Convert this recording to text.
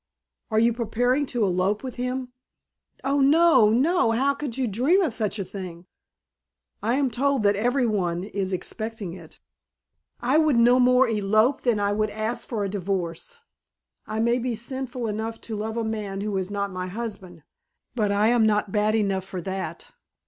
"Are you preparing to elope with him?" "Oh! No! No! How could you dream of such a thing?" "I am told that every one is expecting it." "I would no more elope than I would ask for a divorce. I may be sinful enough to love a man who is not my husband, but I am not bad enough for that.